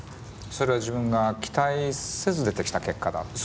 それは自分が期待せず出てきた結果だった？